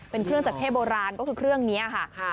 เป็นเครื่องจักรเทพโบราณก็คือเครื่องนี้ค่ะ